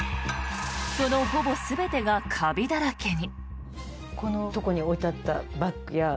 そのほぼ全てがカビだらけに。